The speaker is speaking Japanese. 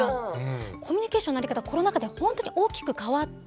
コミュニケーションの在り方がコロナ禍で本当に大きく変わって。